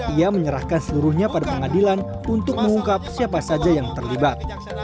ia menyerahkan seluruhnya pada pengadilan untuk mengungkap siapa saja yang terlibat